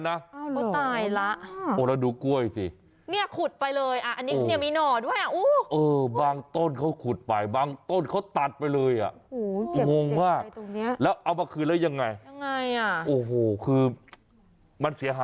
แล้วขอบอกว่ามีครอบครัวต้องดูแลเขาอ้างอย่างนั้นนะ